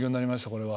これは。